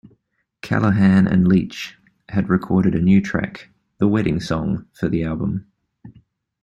Callaghan and Leitch had recorded a new track, "The Wedding Song", for the album.